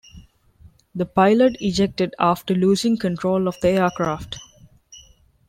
The pilot ejected after losing control of the aircraft.